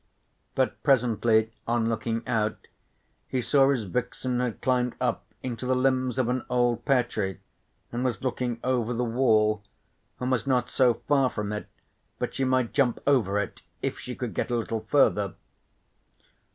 But presently on looking out he saw his vixen had climbed up into the limbs of an old pear tree and was looking over the wall, and was not so far from it but she might jump over it if she could get a little further.